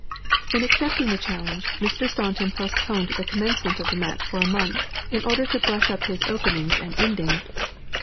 In accepting the challenge, Mr. Staunton postponed the commencement of the match for a month, "in order to brush up his openings and endings."